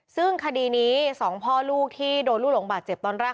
ซึ่งคดีนี้๒พ่อลูกที่โดนลูกหลงบาดเจ็บตอนแรก